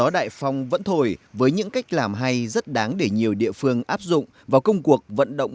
đại phong vẫn thổi với những cách làm hay rất đáng để nhiều địa phương áp dụng vào công cuộc vận động